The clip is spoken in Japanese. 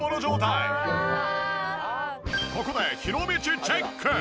ここでひろみちチェック！